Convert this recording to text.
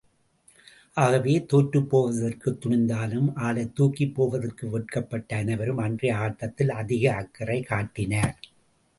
ஆகவே, தோற்றுப் போவதற்குத் துணிந்தாலும், ஆளைத் தூக்கிப் போவதற்கு வெட்கப்பட்ட அனைவரும், அன்றைய ஆட்டத்தில் அதிக அக்கறை காட்டினார்.